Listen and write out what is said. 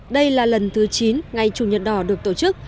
đây là lần thứ chín ngày chủ nhật đỏ được tổ chức